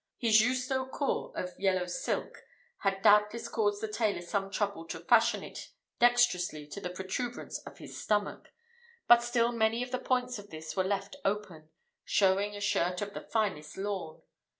His justaucorps of yellow silk had doubtless caused the tailor some trouble to fashion it dexterously to the protuberance of his stomach; but still many of the points of this were left open, showing a shirt of the finest lawn.